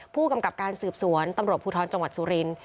ผู้กำกับการสืบสวนตำรวจภูทรจังหวัดสุรินทร์